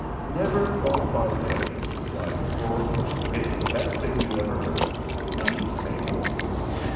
"Never qualify praise," replied the poet. "It's the best thing you ever heard. No need to say more."